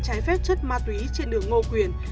trái phép chất ma túy trên đường ngô quyền